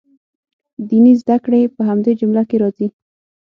دیني زده کړې په همدې جمله کې راځي.